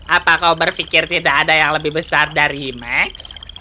apa kau berpikir tidak ada yang lebih besar dari max